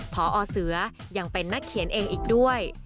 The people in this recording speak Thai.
พอเสือยังเป็นนักเขียนเองอีกด้วย